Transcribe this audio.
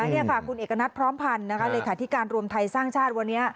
นี่ค่ะคุณเอกณัฐพร้อมพันธ์เลขาธิการรวมไทยสร้างชาติวันนี้